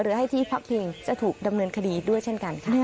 หรือให้ที่พักเพลงจะถูกดำเนินคดีด้วยเช่นกัน